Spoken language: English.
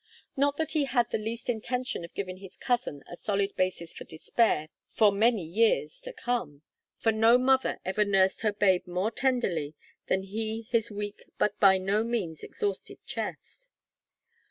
Not that he had the least intention of giving his cousin a solid basis for despair for many years to come, for no mother ever nursed her babe more tenderly than he his weak but by no means exhausted chest.